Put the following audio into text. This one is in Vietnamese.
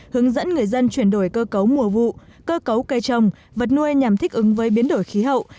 hướng dẫn người dân chuyển đổi cơ cấu mùa vụ cơ cấu cây trồng vật nuôi nhằm thích ứng với biến đổi khí hậu